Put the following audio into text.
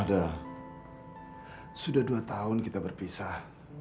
sudah dua tahun kita berpisah